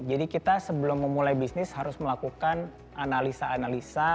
jadi kita sebelum memulai bisnis harus melakukan analisa analisa